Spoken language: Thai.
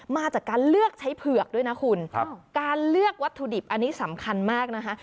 มาจากการเลือกใช้เผือกด้วยนะคุณครับการเลือกวัตถุดิบอันนี้สำคัญมากนะคะ